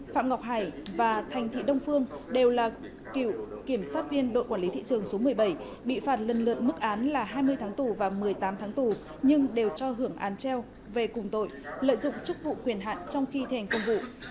phạm ngọc hải và thành thị đông phương đều là cựu kiểm sát viên đội quản lý thị trường số một mươi bảy bị phạt lần lượt mức án là hai mươi tháng tù và một mươi tám tháng tù nhưng đều cho hưởng án treo về cùng tội lợi dụng chức vụ quyền hạn trong khi thành công vụ